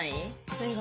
何が？